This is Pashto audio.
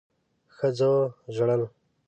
ښځو ژړل